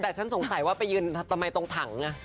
แต่ฉันสงสัยว่าไปยืนทำไมตรงถัง